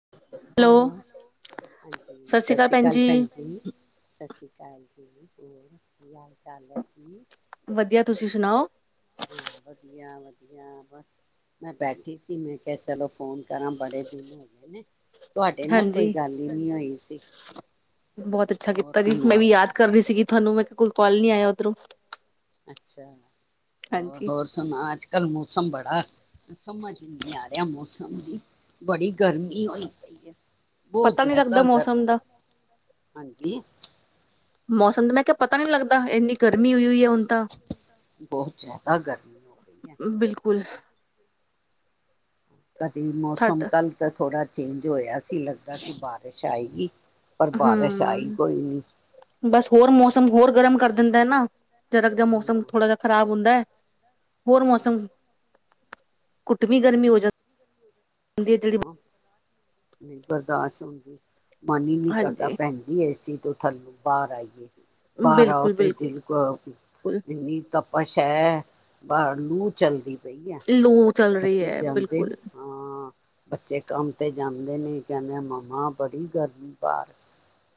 [inaudible] ਹਾਂਜੀ ਸਤਿ ਸ੍ਰੀ ਅਕਾਲ ਭੈਣ ਜੀ ਸਤਿ ਸ੍ਰੀ ਅਕਾਲ [inaudible] ਹੋਰ ਹਾਲ ਚਾਲ ਹੈ ਕੀ ਵਧੀਆ ਤੁਸੀਂ ਸੁਣਾਓ ਹਾਂ ਵਧੀਆ ਬਸ ਮੈਂ ਬੈਠੀ ਸੀ ਮੈਂ ਕਿਹਾ ਚਲੋ ਫੋਨ ਕਰਾਂ ਬੜੇ ਦਿਨ ਹੋ ਗਏ ਨੇ ਸਾਡੇ ਨਾਲ ਹਾਂਜੀ, ਕੋਈ ਗੱਲ ਹੀ ਨਹੀਂ ਹੋਈ ਸੀ ਬਹੁਤ ਅੱਛਾ ਹੋਰ ਕੀਤਾ ਜੀ ਮੈਂ ਸੁਣਾਓ ਵੀ ਯਾਦ ਕਰ ਰਹੀ ਸੀਗੀ ਤੁਹਾਨੂੰ ਮੈਂ ਕੋਈ ਕਾਲ ਨੀ ਆਇਆ ਤਰੋਂ ਅੱਛਾ ਹੋਰ ਹੋਰ ਸੁਣਾ ਅੱਜ ਕੱਲ੍ਹ ਮੋਸਮ ਬੜਾ ਸਮਝ ਨੀ ਆ ਰਿਹਾ ਮੌਸਮ ਦੀ ਬੜੀ ਗਰਮੀ ਹੋਈ ਪਈ ਹੈ ਬਹੁਤ ਪਤਾ ਨੀ ਲੱਗਦਾ ਜ਼ਿਆਦਾ ਕਰ ਮੌਸਮ ਦਾ ਹਾਂਜੀ ਮੌਸਮ ਦਾ ਮੈਂ ਕਿਹਾ ਪਤਾ ਨੀ ਲੱਗਦਾ ਐੰਨੀ ਗਰਮੀ ਹੋਈ ਹੈ ਹੁਣ ਤਾਂ ਬਹੁਤ ਜ਼ਿਆਦਾ ਗਰਮੀ ਹੋ ਗਈ ਹੈ। ਬਿਲਕੁਲ ਕਦੀ ਮੌਸਮ ਸਾਡਾ ਕੱਲ ਤਾਂ ਥੋੜਾ ਚੇਂਜ ਹੋਇਆ ਸੀ ਲੱਗਦਾ ਸੀ ਬਾਰਿਸ਼ ਆਏਗੀ ਪਰ ਬਾਰਿਸ਼ ਆਈ ਕੋਈ ਨੀ ਹਮ ਬਸ ਹੋਰ ਮੌਸਮ ਹੋਰ ਗਰਮ ਕਰ ਦਿੰਦਾ ਏ ਨਾ ਜਰਾ ਜਾ ਮੌਸਮ ਹਾਂ। ਥੋੜਾ ਜਾ ਖਰਾਬ ਹੁੰਦਾ ਹੈ ਹੋਰ ਮੌਸਮ ਕੁੱਟਵੀ ਗਰਮੀ ਹੋ ਜਾਂ ਹਾਂ ਨਹੀਂ ਪਰ ਦਾਸ਼ ਹੁੰਦੀ ਮਨ ਹੀ ਨਹੀਂ ਕਰਦਾ ਹਾਂਜੀ ਭੈਣ ਜੀ ਏਸੀ ਤੂੰ ਥੱਲੂੰ ਬਾਹਰ ਆਈਏ ਬਾਹਰ ਆਓ ਬਿਲਕੁਲ ਤੇ ਬਿਲਕੁਲ। ਦਿਨ ਕੋ ਇਨੀ ਤਪਸ਼ ਹੈ ਬਾਹਰ ਲੂ ਚੱਲਦੀ ਸਹੀ ਏ ਲੂ ਚੱਲ ਰਹੀ ਬੱਚੇ ਹੈ ਜਾਂਦੇ ਬਿਲਕੁਲ ਨੇ ਹਾਂ ਬੱਚੇ ਕੰਮ ਤੇ ਜਾਂਦੇ ਨੇ ਕਹਿੰਦੇ ਮਮਾ ਬੜੀ ਗਰਮੀ ਬਾਹਰ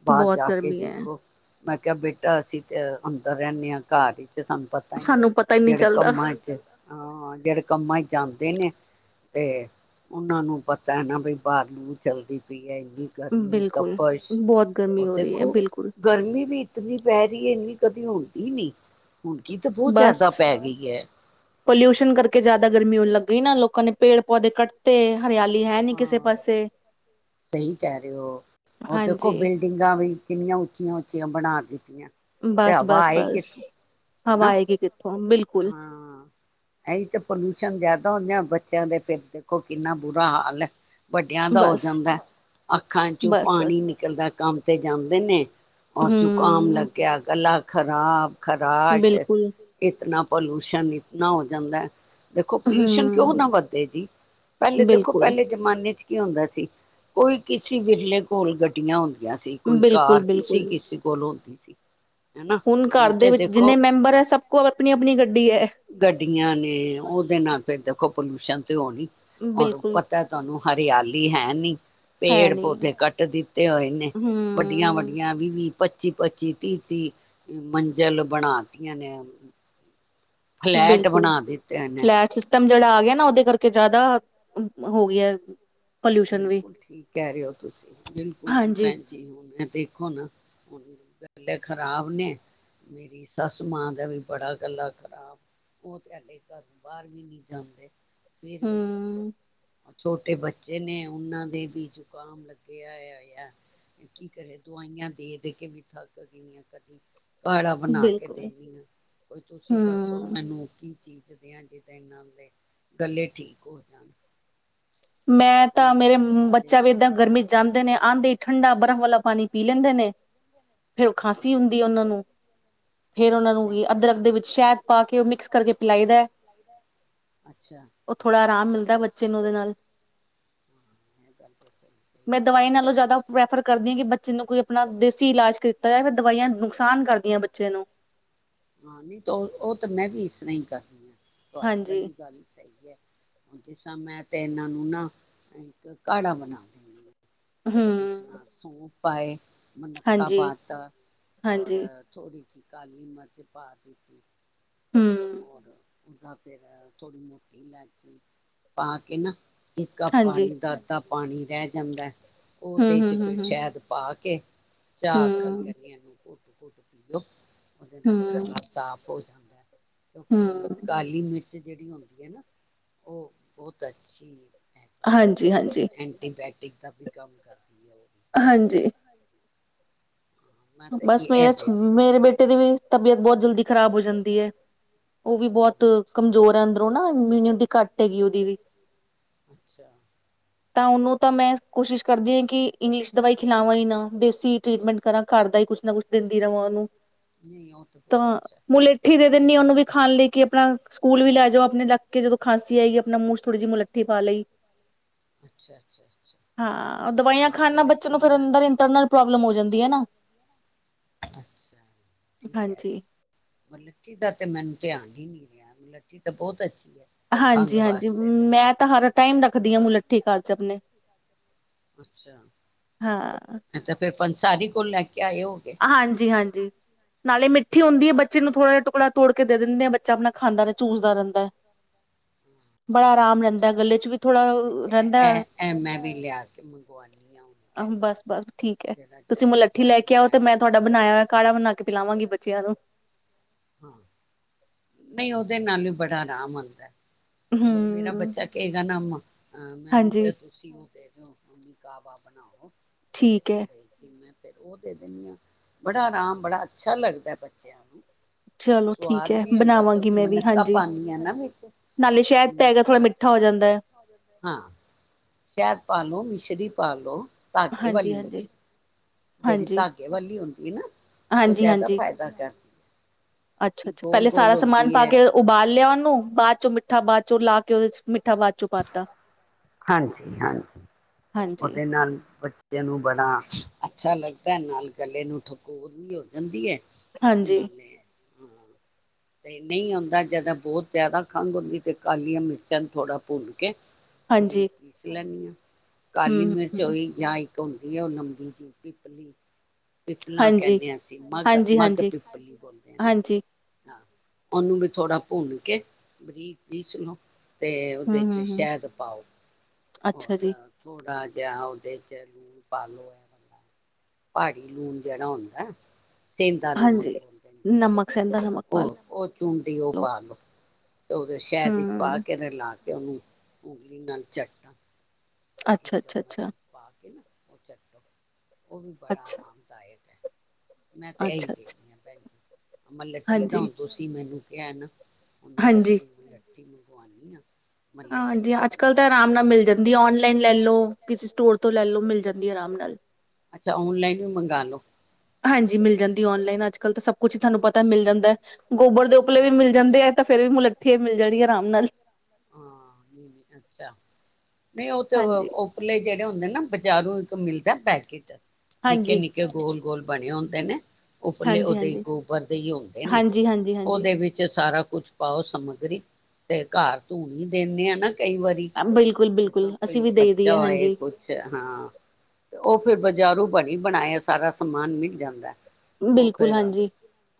ਬਾਹਰ ਬਹੁਤ ਜਾ ਕੇ ਗਰਮੀ ਏ ਦੇਖੋ ਮੈਂ ਕਿਹਾ ਬੇਟਾ ਅਸੀਂ ਤੇ ਅੰਦਰ ਰਹਿੰਦੇ ਹਾਂ ਘਰ ਹੀ ਸਾਨੂੰ ਪਤਾ ਹੀ ਨੀ ਸਾਨੂੰ ਪਤਾ ਹੀ ਨਹੀਂ ਜਿਹੜੇ ਚੱਲਦਾ। ਕੰਮਾਂ ਚ ਹਾਂ ਜਿਹੜੇ ਕੰਮਾਂ ਚ ਜਾਂਦੇ ਨੇ ਤੇ ਉਹਨਾਂ ਨੂੰ ਪਤਾ ਹੈ ਨਾ ਬਈ ਬਾਹਰ ਲੂ ਚੱਲਦੀ ਪਈ ਹੈ ਗਰਮੀ ਤਪਸ਼ ਓ ਦੇਖੋ ਗਰਮੀ ਵੀ ਜਿੰਨੀ ਪੈ ਰਹੀ ਹੈ ਇੰਨੀ ਕਦੀ ਹੁੰਦੀ ਨੀ ਹੁਣਕੀ ਤਾਂ ਬਹੁਤ ਜ਼ਿਆਦਾ ਪੈ ਗਈ ਹੈ ਪੋਲਿਊਸ਼ਨ ਕਰਕੇ ਜ਼ਿਆਦਾ ਗਰਮੀ ਹੋਣ ਲੱਗ ਗਈ ਨਾ ਲੋਕਾਂ ਨੇ ਪੇੜ ਪੌਦੇ ਕੱਟਤੇ ਹਾਂ ਸਹੀ ਕਹਿ ਰਹੇ ਹੋ ਹੋਰ ਦੇਖੋ ਬਿਲਡਿੰਗਾਂ ਵੀ ਕਿੰਨੀਆਂ ਉੱਚੀਆਂ ਉੱਚੀਆਂ ਬਣਾ ਦਿੱਤੀਆਂ। ਤੇ ਬਸ ਹਵਾ ਬਸ ਆਏ ਬਸ ਕਿੱਥੋਂ ਹਵਾ ਹਨਾ ਆਏਗੀ ਕਿੱਥੋਂ ਬਿਲਕੁਲ ਹਾਂ ਇਹੀ ਤੇ ਪੋਲਊਸ਼ਨ ਜਿਆਦਾ ਹੁੰਦੀਆਂ ਬੱਚਿਆਂ ਦੇ ਫਿਰ ਦੇਖੋ ਕਿੰਨਾ ਬੁਰਾ ਹਾਲ ਹੈ ਵੱਡਿਆਂ ਦਾ ਹੋ ਜਾਂਦਾ ਅੱਖਾਂ ਚੋਂ ਪਾਣੀ ਨਿਕਲਦਾ ਕੰਮ ਤੇ ਜਾਂਦੇ ਨੇ ਔਰ ਜ਼ੁਕਾਮ ਲੱਗਿਆ ਗਲਾ। ਖਰਾਬ ਖਰਾਸ਼ ਇਤਨਾ। ਪੋਲਿਊਸ਼ਨ ਇਤਨਾ ਹੋ ਜਾਂਦਾ। ਦੇਖੋ ਪੋਲਿਊਸ਼ਨ ਕਿਉਂ ਨਾ ਵੱਧਦੇ ਜੀ ਪਹਿਲੇ ਦੇਖੋ ਪਹਿਲੇ ਜਮਾਨੇ ਚ ਕੀ ਹੁੰਦਾ ਸੀ ਕੋਈ ਕਿਸੇ ਵਿਰਲੇ ਕੋਲ ਗੱਡੀਆਂ ਹੁੰਦੀਆਂ। ਸੀ ਕੋਈ ਬਿਲਕੁਲ, ਘਰ ਕਿਸੇ ਕਿਸੇ ਕੋਲੋਂ। ਸੀ ਹਨਾ ਹੁਣ ਘਰ ਦੇ ਤੇ ਵਿੱਚ ਦੇਖੋ ਜਿੰਨੇ ਮੈਂਬਰ ਹੈ ਸਭ ਕੁ ਮੈਂਬਰ ਹੈ ਆਪਣੀ ਸਭ ਆਪਣੀ ਕੋਲ ਗੱਡੀ ਹੈ। ਗੱਡੀਆਂ ਨੇ ਉਹਦੇ ਨਾਲ ਫਿਰ ਦੇਖੋ ਪੋਲ- ਸ਼ਨ ਤੇ ਹੋਣੀ ਔਰ ਬਿਲਕੁਲ, ਪਤਾ ਤੁਹਾਨੂੰ ਹਰਿਆਲੀ ਹੈ ਨੀ ਹੈ ਪੇੜ ਨਹੀਂ। ਪੌਦੇ ਕੱਟ ਦਿੱਤੇ ਹੋਏ ਨੇ ਵੱਡੀਆਂ ਹੂੰ, ਵੱਡੀਆਂ ਵੀ ਵੀ ਪੱਚੀ ਪੱਚੀ ਤੀਹ ਤੀਹ ਮੰਜ਼ਿਲ ਬਣਾ ਤੀਆਂ ਨੇ। ਫਲੈਟ ਬਿਲਕੁਲ ਬਣਾ ਦਿੱਤੇ ਨੇ ਫਲੈਟ ਸਿਸਟਮ। ਜਿਹੜਾ ਆ ਗਿਆ ਨਾ ਉਹਦੇ ਕਰਕੇ ਜ਼ਿਆਦਾ ਹੋ ਗਿਆ ਪੋਲਿਊਸ਼ਨ ਵੀ ਬਿਲਕੁਲ ਠੀਕ ਕਹਿ ਰਹੇ ਹੋ ਤੁਸੀਂ ਬਿਲਕੁਲ ਜੀ ਹਾਂਜੀ ਭੈਣ ਜੀ ਹੁਣ ਦੇਖੋ ਨਾ ਹੁਨ ਗਲੇ ਖਰਾਬ ਨੇ ਮੇਰੀ ਸੱਸ ਮਾਂ ਦਾ ਵੀ ਬੜਾ ਗੱਲਾ ਖ਼ਰਾਬ ਉਹ ਤੇ ਐਲੇ ਘਰ ਬਾਹਰ ਵੀ ਨਹੀਂ ਜਾਂਦੇ ਫਿਰ ਵੀ ਹੂੰ ਛੋਟੇ ਬੱਚੇ ਜਿਹਨੇ ਉਹਨਾਂ ਦੇ ਵੀ ਜੁਕਾਮ ਲੱਗਿਆ ਆ ਕੀ ਕਰੇ ਦਵਾਈਆਂ ਦੇ ਦੇ ਕੇ ਵੀ ਥੱਕ ਗਈਆਂ ਕਦੀ ਕਾੜਾ ਬਣਾ ਕੇ ਬਿਲਕੁਲ ਦੇਨੀ ਆਂ ਕੋਈ ਤੁਸੀਂ ਦੱਸੋ ਹੂੰ ਮੈਨੂੰ ਕੀ ਚੀਜ਼ [unintelligible] ਨਾਲ ਦੇ ਗੱਲੇ ਠੀਕ ਹੋ ਜਾਣ। ਮੈਂ ਤਾਂ ਕੋਈ ਮੇਰੇ ਬੱਚਾ ਵੀ ਘਰੇਲੂ ਏਦਾਂ ਗਰਮੀ ਹਾਂ। ਜਾਂਦੇ ਨੇ ਆਉਂਦੇ ਹੀ ਠੰਡਾ ਬਰਫ਼ ਵਾਲਾ ਪਾਣੀ ਪੀ ਲੈਂਦੇ ਨੇ ਫਿਰ ਖਾਂਸੀ ਹੂੰ, ਹੁੰਦੀ ਹੈ ਉਹਨਾਂ ਨੂੰ ਫੇਰ ਉਹਨਾ ਨੂੰ ਸਹੀ ਕਿਹਾ। ਅਦਰਕ ਦੇ ਵਿੱਚ ਸ਼ਹਿਦ ਪਾ ਕੇ ਉਹ ਮਿਕਸ ਕਰਕੇ ਪਿਲਾਈ ਦਾ ਅੱਛਾ, ਉਹ ਥੋੜਾ ਆਰਾਮ ਮਿਲਦਾ ਬੱਚੇ ਨੂੰ ਉਹਦੇ ਨਾਲ [inaudible] ਮੈਂ ਦਵਾਈ ਨਾਲੋਂ ਜ਼ਿਆਦਾ ਪ੍ਰੈਫਰ ਕਰਦੀ ਹਾਂ ਕਿ ਬੱਚੇ ਨੂੰ ਕੋਈ ਆਪਣਾ ਦੇਸੀ ਇਲਾਜ ਕੀਤਾ ਜਾਏ ਫਿਰ ਦਵਾਈਆਂ ਨੁਕਸਾਨ ਕਰਦੀਆਂ ਬੱਚੇ ਨੂੰ ਹਾਂ ਨਹੀਂ ਉਹ ਉਹ ਤਾਂ ਮੈਂ ਵੀ ਇਸ ਤਰ੍ਹਾਂ ਹੀ ਕਰਦੀ ਆ ਤੁਹਾਡੀ ਹਾਂਜੀ ਵਾਲੀ ਗੱਲ ਸਹੀ ਹੈ ਜੇ ਸ ਮੈਂ ਤੇ ਇਹਨਾਂ ਨੂੰ ਨਾ ਇੱਕ ਘਾੜਾ ਬਣਾ ਦੇਣੀ ਆ ਹੂੰ ਜੀ ਸੁਣਾ ਸੋ। ਪਾਏ। ਮਨੱਕਾ ਹਾਂਜੀ ਪਾਤਾ ਔਰ ਹਾਂਜੀ ਥੋੜੀ ਜੀ ਕਾਲੀ ਮਰਚ ਪਾ ਦਿੱਤੀ ਹੂੰ, ਹੋਰ ਉਹਦਾ ਫੇਰ ਥੋੜੀ ਮੋਟੀ ਇਲਾਚੀ ਪਾ ਕੇ ਨਾ ਇੱਕ ਕੱਪ ਹਾਂਜੀ। ਪਾਣੀ ਦਾ ਅੱਧਾ ਪਾਣੀ ਰਹਿ ਜਾਂਦਾ ਹੂੰ, ਉਹਦੇ ਹੂੰ, ਚ ਹੂੰ, ਫਿਰ ਹੂੰ, ਸ਼ਾਇਦ ਪਾ ਕੇ ਚਾਕਣ ਹੂੰ, ਕਹਿ ਇਹਨੂੰ ਇਕ ਘੁੱਟ ਪੀਲੋ ਉਹਦੇ ਨਾਲ ਹੂੰ, ਗਲਾ ਸਾਫ ਹੋ ਜਾਂਦਾ ਹੈ ਕਿਉਂਕਿ ਹੂੰ, ਕਾਲੀ ਮਿਰਚ ਜਿਹੜੀ ਹੁੰਦੀ ਹੈ ਨਾ ਉਹ ਬਹੁਤ ਅੱਛੀ ਹੈਗੀ ਹੈ ਹਾਂਜੀ ਹਾਂਜੀ [inaudible] ਕੰਮ ਕਰ ਹਾਂਜੀ ਹਾਂ ਮੈਂ ਤਾਂ ਇਹ ਬਸ ਇਹ ਮੇਰੇ ਦੇ ਦਿੰਦੀ ਹਾਂ ਮੇਰੇ ਬੇਟੇ ਦੀ ਵੀ ਤਬੀਅਤ ਬਹੁਤ ਜਲਦੀ ਖ਼ਰਾਬ ਹੋ ਜਾਂਦੀ ਹੈ ਉਹ ਵੀ ਜਾਂਦੀ ਹੈ ਬਹੁਤ ਹਾਂ ਕਮਜ਼ੋਰ ਹੈ ਅੰਦਰੋਂ ਨਾ ਇਮਿਊਨਿਟੀ ਘੱਟ ਹੈਗੀ ਓਦੀ ਵੀ ਅੱਛਾ ਤਾਂ ਉਹਨੂੰ ਤਾਂ ਮੈਂ ਕੋਸ਼ਿਸ਼ ਕਰਦੀ ਹਾਂ ਕਿ ਇੰਗਲਿਸ਼ ਦਵਾਈ ਖਿਲਾਵਾਂ ਹੀ ਨਾ ਦੇਸੀ ਟਰੀਟਮੈਂਟ ਕਰਾਂ ਘਰ ਦਾ ਹੀ ਕੁਛ ਨਾ ਕੁਛ ਦਿੰਦੀ ਰਵਾਂ ਉਹਨੂੰ ਨਹੀਂ ਓ ਤਾਂ ਅੱਛਾ ਹੈ ਮੁਲੇਠੀ ਦੇ ਦਿੰਦੀ ਉਹਨੂੰ ਵੀ ਖਾਣ ਲਈ ਕਿ ਆਪਣਾ ਸਕੂਲ ਵੀ ਲੈ ਜਾਓ ਆਪਣੇ ਲੱਗ ਕੇ ਜਦੋਂ ਖਾਂਸੀ ਆਏਗੀ ਆਪਣਾ ਮੂੰਹ ਚ ਥੋੜੀ ਜਿਹੀ ਮੁਲੱਠੀ ਪਾ ਲਈ ਅੱਛਾ ਅੱਛਾ ਅੱਛਾ ਹਾਂ ਦਵਾਈਆਂ ਹਾਂ ਖਾਣ ਨਾਲ ਮਤਲਬ ਬੱਚੇ ਨੂੰ ਟੀ ਫਿਰ ਨਾਲ ਅੰਦਰ ਇੰਟਰਨਲ ਪ੍ਰੋਬਲਮ ਹੋ ਜਾਂਦੀ ਹੈ ਨਾ ਅੱਛਾ ਜ ਠੀਕ ਹੈ ਹਾਂਜੀ। ਮਲੱਠੀ ਦਾ ਤੇ ਮੈਨੂੰ ਧਿਆਨ ਹੀ ਨੀ ਰਿਹਾ ਮ ਲੱਠੀ ਤਾਂ ਬਹੁਤ ਅੱਛੀ ਹੈ ਖੰਘ ਹਾਂਜੀ ਹਾਂਜੀ ਵਾਸਤੇ ਤੇ ਮੈਂ ਤਾਂ ਹਰ ਟਾਈਮ ਰੱਖਦੀ ਹਨਾ ਹਾਂ ਮੁਲੱਠੀ ਘਰ ਚ ਆਪਣੇ ਅੱਛਾ ਹਾਂ ਤਾਂ ਫੇਰ ਪੰਸਾਰੀ ਕੋਲ਼ ਲੈ ਕੇ ਆਏ ਹੋਗੇ ਹਾਂਜੀ ਹਾਂਜੀ ਨਾਲੇ ਮਿ ਠ ਹੁੰਦੀ ਹੈ ਬੱਚੇ ਨੂੰ ਥੋੜਾ ਜਿਹਾ ਟੁਕੜ ਤੋੜ ਕੇ ਦੇ ਦਿੰਦੇ ਆ ਬੱਚਾ ਆਪਣਾ ਖਾਂਦਾ ਚੂਸਦਾ ਰਹਿੰਦਾ ਹੈ ਬੜਾ ਆਰਾਮ ਰਹਿੰਦਾ ਗੱਲ ਚ ਵੀ ਥੋੜਾ ਰਹਿੰਦਾ ਮੈਂ ਵੀ ਲਿਆ ਕੇ ਮੰਗਵਾਣੀ ਆ ਉਹਨ ਬਸ ਬਸ ਠੀਕ ਕਹ ਹੈ। ਜਿਹੜਾ ਤੁਸੀਂ ਚਾਹੇ ਮੁਲੱਠੀ ਬਾਜ਼ਾਰ ਲੈ ਨੂੰ ਕੇ ਆਓ ਲਿਆ ਤੇ ਕੇ ਤੁਹਾਡਾ ਬਣਾਇਆ ਹੋਇਆ ਕਾੜਾ ਬਣਾ ਕੇ ਪਿਲਾਵਾਂਗੀ ਬੱਚਿਆਂ ਨੂੰ ਨੂੰ। ਹਾਂ ਨਹੀਂ ਉਹਦੇ ਨਾਲ ਵੀ ਬੜਾ ਆਰਾਮ ਆਉਂਦਾ ਹ ਮੇਰਾ ਹੂੰ ਬੱਚਾ ਕਹੇਗਾ ਨਾ ਮਾਂ ਅ ਮੈਨੂੰ ਤੇ ਹਾਂਜੀ। ਤੁਸੀਂ ਉਹ ਦੇ ਮਮੀ ਕ ਆ ਬਾ ਬਣਾ ਹੋ ਤੇ ਠੀਕ ਉ ਹੈ ਸੀ ਮੈਂ ਫਿਰ ਉਹ ਦੇ ਦਿੰਦੀ ਆ ਬੜਾ ਆਰਾਮ ਬੜਾ ਅੱਛਾ ਲੱਗਦਾ ਬੱਚਿਆਂ ਨੂੰ ਚਲੋ ਠੀਕ ਸਵਾਦ ਹੈ ਵੀ ਹੁੰਦਾ ਬਣਾਵਾਂਗੀ ਕਿਉਂਕਿ ਮੈਂ ਵੀ ਮਨੱਕਾ ਹਾਂਜੀ। ਪਾਣੀ ਆ ਨਾ ਵਿੱਚ ਨਾਲੇ ਸ਼ਹਿਦ ਤਾਂ ਹੈਗਾ ਥੋੜਾ ਮਿੱਠਾ ਹੋ ਜਾਂਦਾ ਹੈ। ਸ਼ਹਿਦ ਪਾ ਲੋ ਮਿਸ਼ਰੀ ਪਾ ਲੋ ਧਾਗੇ ਹਾਂਜੀ, ਵਾਲੀ ਹਾਂਜੀ, ਮਿਸ਼ਰੀ ਜਿਹੜੀ ਹਾਂਜੀ, ਧਾਗੇ ਵਾਲੀ ਹੁੰਦੀ ਨਾ ਉਹ ਹਾਂਜੀ, ਜਦਾ ਹਾਂਜੀ। ਫਾਇਦਾ ਕਰਦੀ ਆ ਅੱਛਾ ਅੱਛਾ ਪਹਿਲੇ ਸਾਰਾ ਸਮਾਨ ਪਾ ਕੇ ਉਬਾਲ ਲਿਆ ਉਹਨੂੰ ਬਾਅਦ ਚੋਂ ਮਿੱ ਮਿੱਠਾ ਬਾਦ ਚ ਉਹ ਲਾ ਕੇ ਉਹਦੇ ਚ ਮਿੱਠਾ ਬਾਦ ਹਾਂਜੀ ਹਾਂਜੀ ਹਾਂਜੀ, ਉਹਦੇ ਨਾਲ ਬੱਚ ਨੂੰ ਬੜਾ ਅੱਛਾ ਲੱਗਦਾ ਹੈ ਨਾਲ ਗਲੇ ਨੂੰ ਠਕੋਰ ਵੀ ਹੋ ਜਾਂਦੀ ਹੈ [unintelligible] ਹਾਂਜੀ, ਹਾਂ ਤੇ ਨਹੀਂ ਆਉਂਦਾ ਜਦੋਂ ਬਹੁਤ ਜਿਆਦਾ ਖੰਘ ਹੁੰਦੀ ਤੇ ਕਾਲੀਆਂ ਮਿਰਚਾਂ ਥੋੜਾ ਪੁਣ ਕੇ ਹਾਂਜੀ, ਬਰੀਕ ਪੀਸ ਲੈਦੀ ਹਾਂ ਕਾਲੀ ਹੂੰ, ਮਿਰਚ ਹੂੰ, ਹੋਈ ਜਾਂ ਇੱਕ ਹੁੰਦੀ ਆ ਉਹ ਲੰਬੀ ਜੀ ਪੀਪਲੀ ਪਿਪਲਾਂ ਹਾਂਜੀ, ਕਹਿੰਦੇ ਹ ਅਸੀਂ ਮਘ ਹਾਂਜੀ, ਮਘ ਹਾਂਜੀ, ਪਿਪਲੀ ਬੋਲਦੇ ਆ ਨਾ ਹਾਂਜੀ, ਹਾਂ ਉਹਨੂੰ ਵੀ ਥੋੜਾ ਭੁੰਨ ਕੇ ਬਰੀਕਰੀਸ ਨੂੰ ਤੇ ਸ਼ੈ ਹੂੰ, ਵਿੱਚ ਹੂੰ, ਹੂੰ, ਸ਼ਹਿਦ ਪਾਓ ਅੱਛਾ ਹੋਰ ਜੀ, ਥੋੜਾ ਜਾਂ ਉਹਦੇ ਚ ਲੂਣ ਪਾ ਲੋੋ ਪਹਾੜੀ ਲੂਣ ਜਿਹੜਾ ਹੁੰਦਾ ਸੇਂਦਾ ਨਮਕ ਹਾਂਜੀ। ਨਮਕ ਸਹਿੰਦਾ ਨਮਕ ਪਾ ਲੋ ਤੇ ਉਹਦੇ ਸ਼ਹਿਦ ਵਿੱਚ ਪਾ ਹੂੰ, ਕੇ ਤੇ ਲਾ ਕੇ ਉਹਨੂੰ [unintelligible] ਇੱਕ ਅੱਛਾ, ਅੱਛਾ, ਚਮਚ ਅੱਛਾ, ਪਾ ਕੇ ਨਾ ਉਹ ਚੱਟੋ ਉਹ ਵੀ ਬੜਾ ਅੱਛਾ, ਆਰਾਮਦਾਇਕ ਹੈ ਮੈਂ ਤੇ ਇਹੀ ਅੱਛਾ, ਅੱਛਾ, ਦੇਣੀ ਹ ਭੈਣ ਜੀ ਮਲੱਥੀ ਦਾ ਹਾਂਜੀ, ਹੁਣ ਤੁਸੀਂ ਮੈਨੂੰ ਇਹ ਨਾ ਹੁਣ ਮੈਂ ਹਾਂਜੀ। ਲਟੀ ਬਵਾਨੀ ਹਾਂ ਹਾਂਜੀ ਅੱਜ ਕੱਲ੍ਹ ਤਾਂ ਆਰਾਮ ਨਾਲ ਮਿਲ ਜਾਂਦੀ ਔਨਲਾਈਨ ਲੈ ਲੋ ਕਿਸੇ ਸਟੋਰ ਤੋਂ ਲੈਲੋ ਮਿਲ ਜਾਂਦੀ ਆਰਾਮ ਨਾਲ ਹੈਲੋ ਹਾਂਜੀ ਮਿਲ ਜਾਂਦੀ ਔਨਲਾਈਨ ਅੱਜ ਕਲ ਤਾਂ ਸਭ ਕੁਛ ਤੁਹਾਨੂੰ ਪਤਾ ਮਿਲ ਜਾਂਦਾ ਗੋਬਰ ਦੇ ਉੱਪਲੇ ਦੋ ਵੀ ਮਿਲ ਜਾਂਦੇ ਆ ਤੇ ਫੇਰ ਵੀ ਮੁਲੱਠੀ ਏ ਮਿਲ ਜਾਣੀ ਹੈ ਆਮ ਨਾਲ ਹਾਂ ਨਹੀਂ ਨਹੀਂ ਅੱਛਾ ਨਹੀਂ ਉਹ ਤੇ ਹਾਂਜੀ। ਉਪਰਲੇ ਜਿਹੜੇ ਜਿਹੜੇ ਹੁੰਦੇ ਨਾ ਬਜ਼ਾਰੂ ਇੱਕ ਮਿਲਦਾ ਪੈਕੇਟ ਨਿੱਕੇ ਹਾਂਜੀ, ਨਿੱਕੇ ਗੋਲ ਗੋਲ ਬਣੇ ਹੁੰਦੇ ਨੇ ਉੱਪਰਲੇ ਉਹਦੇ ਹਾਂਜੀ-ਹਾਂਜੀ, ਗੋਬਰ ਦੇ ਹੀ ਹੁੰਦੇ ਨੇ ਹਾਂਜੀ-ਹਾਂਜੀ-ਹਾਂਜੀ ਉਹਦੇ ਵਿੱਚ ਸਾਰਾ ਕੁਛ ਪਾਓ ਸਮੱਗਰੀ ਤੇ ਘਰ ਧੂਣੀ ਦਿੰਦੇ ਹੇਨ ਕਈ ਵਾਰੀ ਜਿਸ ਤਰ ਬਿਲਕੁਲ-ਬਿਲਕੁਲ ਕੋਈ ਅਸੀਂ ਵੀ ਦੇਈ ਦੀ ਬੱਚਾ ਹੈ ਹੋਏ ਹਾਂਜੀ ਕੁਛ ਹਾਂ ਤੇ ਉਹ ਫੇਰ ਬਾਜ਼ਾਰੂ ਬਣੀ ਬਣਾਇ ਸਾਰਾ ਸਮਾਨ ਮਿਲ ਜਾਂਦਾ ਹੈ। ਬਿਲਕੁਲ ਹਾਂਜੀ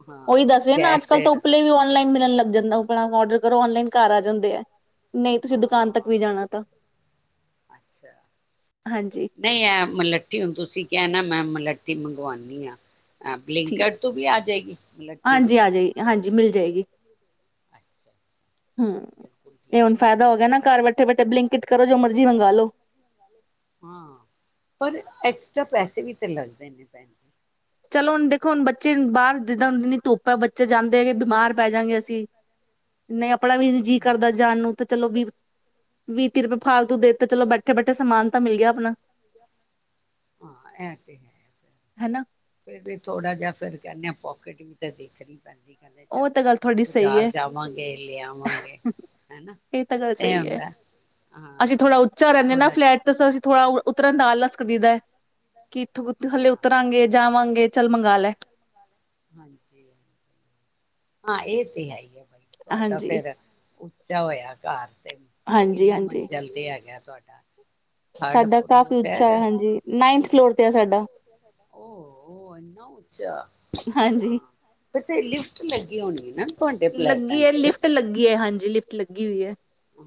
ਹਾਂ ਓਹੀ ਦੱਸਦੇ ਨਾ ਅੱਜ ਗੈਸ ਕਲ ਤੇ ਤਾਂ ਉੱਪਲੇ ਵੀ ਔਨਲਾਈਨ ਮਿਲਣ ਲੱਗ ਜਾਂਦਾ ਔਡਰ ਅਗਰ ਔਨਲਾਈਨ ਘਰ ਆ ਜਾਂਦੇ ਹੈ। ਹਾਂ ਅੱਛਾ ਹਾਂਜੀ ਨਹੀਂ ਆ ਮਲੱਠੀ ਹੁਨ ਤੁਸੀਂ ਕਹਿਣਾ ਮੈਂ ਲੱਟੀ ਮੰਗਵਾਉਣੀ ਆ ਠੀਕ ਬਲਿੰਕਇੱਟ ਤੋਂ ਵੀ ਆ ਜਾਏਗੀ ਮੁਲੱਠੀ ਹਾਂਜੀ ਆ ਜਾਏਗੀ ਹਾਂਜੀ ਮਿਲ ਜਾਏਗੀ। ਅੱਛਾ ਹਮ ਬਿਲਕੁਲ ਇਹ ਹੁਣ ਠੀਕ ਹੈ ਜੀ ਫਾਇਦਾ ਹੋ ਮੈਂ ਗਿਆ ਨਾ ਘਰ ਬੈਠੇ ਬੈਠੇ ਬਲਿੰਕਟ ਕਰੋ ਜੋ ਮਰਜ਼ੀ ਖਾਲੋ ਹਾਂ ਪਰ ਐਕਸਟਰਾ ਪੈਸੇ ਵੀ ਤੇ ਲੱਗਦੇ ਨੇ ਚਲੋ ਹੁਣ ਦੇਖੋ ਹੁਣ ਬੱਚੇ ਬਾਹਰ ਜਿੱਦਾਂ ਹੁਣ ਜਨੀ ਧੁੱਪ ਹੈ ਬੱਚੇ ਜਾਂਦੇ ਹੈਗੇ ਬਿਮਾਰ ਪੈ ਜਾਂਗੇ ਅਸੀਂ ਇੰਨੇ ਅਪਣਾ ਵੀ ਨਹੀ ਜੀਅ ਕਰਦਾ ਜਾਣ ਨੂੰ ਚਲੋ ਵੀਹ ਵੀਹ ਤੀਹ ਰੁਪਏ ਫਾਲਤੂ ਦੇ ਤੇ ਚਲੋ ਬੈਠੇ ਬੈਠੇ ਸਮਾਨ ਤਾਂ ਮਿਲ ਗਿਆ ਆਪਣਾ ਹੇਨਾ ਫੇਰ ਵੀ ਥੋੜਾ ਜਿਹਾ ਫੇਰ ਕਹਿੰਦੇ ਆ ਪੋਕੇਟ ਵੀ ਤਾਂ ਦੇਖਣੀ ਪੈਂਦੀ ਕਹਿੰਦੇ ਚੱਲ ਉਹ ਤਾਂ ਗੱਲ ਤੁਹਾਡੀ ਸਹੀ ਬਾਜ਼ਾਰ ਹੈ ਜਾਵਾਂਗੇ ਲੈ ਆਵਾਂਗੇ ਹਨਾ ਤਾਂ ਗੱਲ ਇਹ ਸਹੀ ਹੈ ਹੁੰਦਾ ਅਸੀਂ ਹਾਂ ਥੋੜਾ ਉੱਚਾ ਨਾ ਥੋੜਾ ਜਿਹਾ। ਫਲੈਟ ਤਾਂ ਅਸੀਂ ਥੋੜਾ ਫਲੈਟ ਤੇ ਉਤਰਨ ਦਾ ਸਸਤਾ ਆਲਸ ਉਤਰਨ ਕਰੀਦਾ ਹੈ, ਨਾਲ ਲੱਗਦਾ। ਕਿ ਥਲੇ ਹਾਂ ਉਤਰਾਂਗੇ ਜਾਵਾਂਗੇ ਚੱਲ ਮੰਗਾ ਲੈ। ਹਾਂਜੀ ਹਾਂ ਇਹ ਤੇ ਹੈ ਹੀ ਹੈ ਤੁਹਾਡਾ ਹਾਂਜੀ ਫੇਰ ਉੱਚਾ ਹੋਇਆ ਘਰ ਤੇ ਹਾਂਜੀ ਕਿੰਨੀ ਹਾਂਜੀ ਮੰਜ਼ਿਲ ਤੇ ਹੈਗਾ ਦਾ ਥਿਰਡ ਸਾਡਾ ਕਾਫੀ ਫਲੋਰ ਉੱਚਾ ਹੈ ਹੇਗਾ ਹਾਂਜੀ ਨਾਈਨਥ ਫਲੋਰ ਤੇ ਹੈ ਸਾਡਾ ਓ ਐਨਾ ਉੱਚਾ ਹਾਂਜੀ ਕਿਥੇ ਲਿਫਟ ਲੱਗੀ ਹੋਣੀ ਨਾ ਤੁਹਾਡੇ ਫਲੈਟਾਂ ਲੱਗੀ ਹੈ ਚ ਲਿਫਟ ਲੱਗੀ ਹੈ ਹਾਂਜੀ ਲਿਫਟ ਲਗੀ ਲਗੀ ਹੋਈ ਹੈ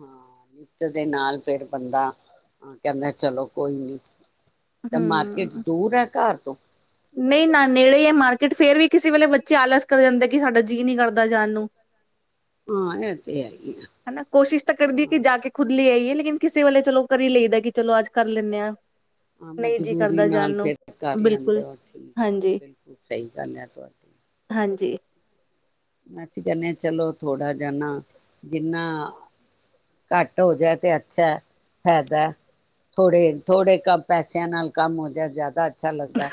ਹਾਂ ਨਿੱਤ ਦੇ ਨਾਲ ਫੇਰ ਬੰਦਾ ਕਹਿੰਦਾ ਚਲੋ ਕੋਈ ਨੀ ਤਾਂ ਮਾਰਕਿਟ ਹਮ ਦੂਰ ਹੈ ਘਰ ਤੋਂ ਨਹੀਂ ਨਾ ਨੇੜੇ ਹੈ ਮਾਰਕੀਟ ਫੇਰ ਵੀ ਕਿਸੇ ਵੇਲੇ ਬੱਚੇ ਆਲਸ ਕਰ ਜਾਂਦੇ ਕਿ ਸਾਡਾ ਜੀਅ ਨਹੀਂ ਕਰਦਾ ਜਾਨ ਨੂੰ ਹਾਂ ਇਹ ਤੇ ਹੈ ਹੀ ਆ ਹਨਾ ਕੋਸ਼ਿਸ਼ ਤਾਂ ਹਾਂ। ਕਰਦੀ ਕਿ ਜਾ ਕੇ ਗੱਡੀ ਖੁਦ ਤੇ ਲੈ ਆਈਏ ਜਾਂਦੀ ਲੇ ਖੁੱਲੀ ਹੈਗੀ ਕਿਸੇ ਵੇਲੇ ਫਿਰ ਚਲੋ ਕਿਸੇ ਕਰੀ ਵੇਲੇ ਲਈਦਾ ਕਿ ਕਦੀ ਚਲੋ ਅੱਜ ਲੱਗਦਾ ਕਰ ਕਿ ਚਲੋ ਲੈਂਦੇ ਅੱਜ ਆਂ ਕਰ ਲੈਂਦੇ ਹਾਂ ਹਾਂ ਨਹੀਂ ਜੀ ਮਜਬੂਰੀ ਕਰਦਾ ਜਾਣ ਨਾਲ ਨੂੰ ਫਿਰ ਕਰ ਬਿਲਕੁਲ ਲੈਂਦੇ ਹੋ ਠੀਕ ਹੈ ਹਾਂਜੀ, ਬਿਲਕੁਲ ਸਹੀ ਗੱਲ ਹੈ ਤੁਹਾਡੀ ਹਾਂਜੀ ਅਸੀ ਕਹਿੰਦੇ ਹ ਚਲੋ ਥੋੜਾ ਜਾਣਾ ਜਿੰਨਾ ਘੱਟ ਹੋ ਜਾਏ ਤੇ ਅੱਛਾ ਫਾਇਦਾ ਥੋੜੇ ਥੋੜੇ ਕਮ ਪੈਸਿਆਂ ਨਾਲ ਕੰਮ ਹੋ ਜਾ ਜ਼ਿਆਦਾ ਅੱਛਾ ਲੱਗਦਾ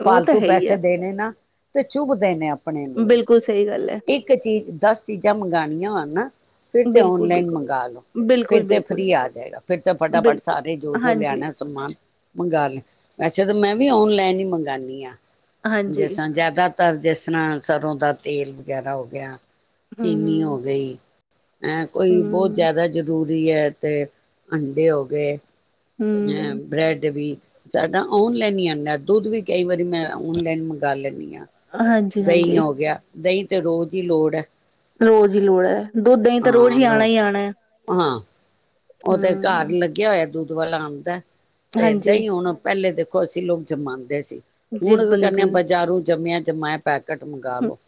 ਉਹ ਤਾਂ ਫਾਲਤੂ ਹੈ ਹੀ ਪੈਸੇ ਹੈ। ਦੇਣੇ ਨਾ ਤੇ ਚੁੱਭ ਦੇਣੇ ਆਪਣੇ ਨੂੰ ਵੀ ਬਿਲਕੁਲ ਸਹੀ ਗੱਲ ਹੈ ਇੱਕ ਚੀਜ਼ ਦਸ ਚੀਜ਼ਾਂ ਮੰਗਉਣੀਆਂ ਵਾ ਨਾ ਫਿਰ ਤੇ ਬਿਲਕੁਲ, ਓਨਲਾਈਨ ਬਿਲਕੁਲ, ਮੰਗਵਾ ਲੋ ਬਿਲਕੁਲ, ਫਿਰ ਤੇ ਬਿਲਕੁਲ, ਫਰੀ ਆ ਜਾਏਗਾ ਫਿਰ ਤੇ ਫਟਾਫਟ ਬਿਲਕੁਲ। ਸਾਰੇ ਜੋ ਜੋ ਹਾਂਜੀ, ਲਿਆਣਾ ਸਮਾਨ ਮੰਗਵਾ ਲਿਆ ਵੈਸੇ ਮੈਂ ਵੀ ਔਨਲਾਈਨ ਹੀ ਮੰਗਉਂਦੀ ਹਾਂ ਹਾਂਜੀ ਜਿਸ ਤਰ੍ਹਾਂ ਜਿਆਦਾਤਰ ਜਿਸ ਤਰ੍ਹਾਂ ਸਰੋਂ ਦਾ ਤੇਲ ਗਿਆਰਾ ਹੋ ਗਿਆ ਚੀਨੀ ਹੂੰ, ਹੋ ਗਈ ਹੈਂ ਕੋਈ ਬਹੁਤ ਹੂੰ, ਜ਼ਿਆਦਾ ਜ਼ਰੂਰ ਹੈ ਤੇ ਅੰਡੇ ਹੋ ਗਏ ਹੂੰ ਹਮ ਬ੍ਰੈਡ ਵੀ ਜ਼ਿਆਦਾ ਔਨਲਾਈਨ ਹੀ ਆਉਂਦਾ ਦੁੱਧ ਵੀ ਕਈ ਵਾਰੀ ਮੈਂ ਔਨਲਾਈਨ ਮੰਗਵਾ ਲੈਂਦੀ ਹਾਂ ਹਾਂਜੀ ਹਾਂਜੀ ਦਈ ਤੇ ਰੋਜ਼ ਹੀ ਲੋੜ ਹੈ ਰੋਜ਼ ਹੀ ਲੋੜ ਹੈ ਦੁੱਧ ਦਹੀਂ ਤਾਂ ਹਾਂ ਰੋਜ਼ ਹੀ ਲੋ ਆਉਣਾ ਹੀ ਆਉਣਾ ਹੈ ਹਾਂ ਉਹ ਤੇ ਘਰ ਹੂੰ ਲੱਗਿਆ ਹੋਇਆ ਦੁੱਧ ਵਾਲਾ ਆਉਂਦਾ ਤੇ ਏਦਾਂ ਹਾਂਜੀ ਹੀ ਹੁਣ ਪਹਿਲੇ ਦੇਖ ਦੇਖੋ ਅਸੀਂ ਲੋਕ ਜਮਾਦੇ ਸੀ ਜੀ ਹੁਣ ਕਹਨ ਬਿਲਕੁਲ ਬਾਜ਼ਾਰੂ ਜੰਮਿਆ ਜਮਾਯਾ ਪੈਕੇਟ ਮੰਗਾ ਲੋ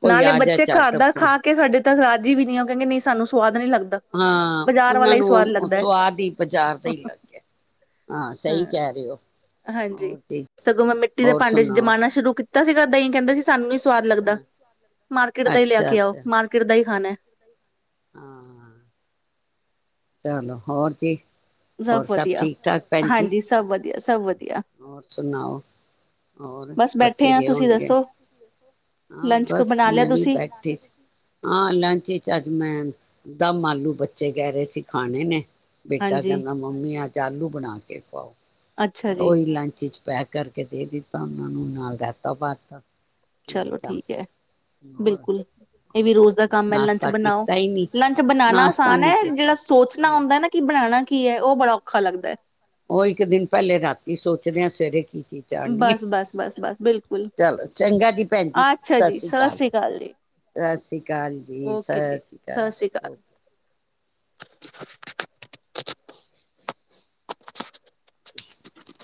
ਕੋਈ ਨਾਲੇ ਆ ਜਾ ਬੱਚੇ ਘਰ ਝੱਟ ਦਾ ਫੋਨ ਖਾ ਕੇ ਸਾਡੇ ਤੱਕ ਰਾਜੀ ਵੀ ਨੀ ਉਹ ਕਹਿੰਦੇ ਨਹੀਂ ਸਾਨੂੰ ਸਵਾਦ ਨਹੀਂ ਲੱਗਦਾ ਹਾਂ ਬਾਜ਼ਾਰ ਉਹਨਾਂ ਵਾਲਾ ਹੀ ਸਵਾਦ ਨੂੰ ਲੱਗਦਾ ਹੈ ਸੁਵਾਦ ਹੀ ਬਜ਼ਾਰ ਦਾ ਹੀ ਲੱਗਿਆ ਹਾਂ ਸਹੀ ਕਹਿ ਰਹੇ ਹੋ ਹਾਂਜੀ ਹੋਰ ਤੇ ਸਗੋਂ ਮੈਂ ਮਿੱਟੀ ਦੇ ਭਾਂਡੇ ਚ ਜਮਾਨਣਾ ਸ਼ੁਰੂ ਕੀਤਾ ਸੀਗਾ ਕਹਿੰਦਾ ਸੀ ਸਾਨੂੰ ਨਹੀਂ ਸ ਸਵਾਦ ਲੱਗਦਾ ਹਾਂ ਮਾਰਕੀਟ ਦਾ ਹੀ ਲੈ ਅੱਛਾ ਕੇ ਆਓ ਅੱਛਾ। ਮਾਰਕੀਟ ਦਾ ਹੀ ਖਾਣਾ ਹੈ ਹਾਂ ਚਲੋ ਹੋਰ ਕਿ ਸਭ ਵਧੀਆ ਹਾਂਜੀ ਸਭ ਵਧੀਆ ਸਭ ਵਦੀਆ ਹੋਰ ਸੁਣਾਓ ਹੋਰ ਬਸ ਬੈਠੇ ਬੱਚੇ ਆ ਗਏ ਤੁਸੀਂ ਹੋਣਗੇ ਦੱਸੋ ਹਾਂ ਲੰਚ ਕ ਬਸ ਬਣਾ ਲਿਆ ਮੈਂ ਵੀ ਤੁਸੀਂ ਬੈਠੀ ਹਾਂ ਲੰਚ ਚ ਅੱਜ ਮੈਂ ਦਮ ਆਲੂ ਬੱਚੇ ਕਹਿ ਰਹੇ ਸੀ ਖਾਣੇ ਨੇ ਬੇਟਾ ਹਾਂਜੀ ਕਹਿੰਦਾ ਮੰਮੀ ਅਜ ਆਲੂ ਬਣਾ ਕੇ ਖਵਾਓ ਅੱਛਾ ਜੀ ਓਹੀ ਲੰਚ ਚ ਪੈਕ ਕਰਕੇ ਦੇ ਦਿੱਤਾ ਉਹਨਾਂ ਨੂੰ ਨਾਲ ਰਾਇਤਾ ਪਤਾ ਚਲੋ ਠੀਕ ਹੈ ਬਿਲਕੁਲ ਇਹ ਵੀ ਰੋਜ਼ ਦਾ ਕੰਮ ਐ ਲੰਚ ਨਾਸ਼ਤਾ ਬਣਾਓ ਕੀਤਾ ਹੀ ਨਹੀਂ ਲੰਚ ਬਣਾਉਣਾ ਨਾਸ਼ਤਾ ਆਸਾਨ ਨਹੀਂ ਐ ਕੀਤਾ ਜਿਹੜਾ ਸੋਚਣਾ ਹਾਂ ਹੁੰਦਾ ਨਾ ਕਿ ਬਣਾਣਾ ਕੀ ਐ। ਉਹ ਬੜਾ ਔਖਾ ਲੱਗਦੇ। ਉਹ ਇੱਕ ਦਿਨ ਪਹਿਲੇ ਰਾਤੀ ਸੋਚਦੇ ਆ ਸਵੇਰੇ ਕੀ ਚੀਜ਼ ਬਸ, ਬਸ, ਬਸ, [unintelligible] ਬਸ ਬਿਲਕੁਲ ਚਲੋ ਚੰਗਾ ਜੀ ਭੈਣ ਜੀ ਸਤਿ ਸ੍ਰੀ ਅਕਾਲ ਸਤਿ ਸ੍ਰੀ ਅਕਾਲ ਜੀ ਸਤਿ ਸ੍ਰੀ ਅਕਾਲ। [inaudible] [inaudible]